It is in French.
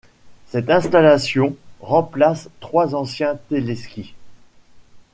Cette installation remplace trois anciens téléskis.